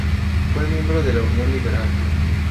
Fue miembro de la Unión Liberal.